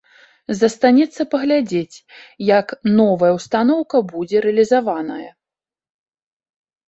Застанецца паглядзець, як новая ўстаноўка будзе рэалізаваная.